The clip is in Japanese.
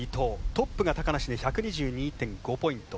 トップが高梨で１２２．５ポイント。